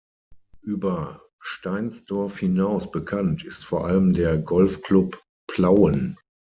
Über Steinsdorf hinaus bekannt ist vor allem der "Golfclub Plauen".